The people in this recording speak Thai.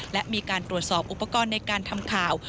และมีการตรวจสอบอุปกรณ์ในการทำข่าว